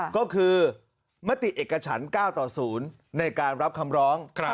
ก็คือมติเอกฉัน๙ต่อ๐ในการรับคำร้อง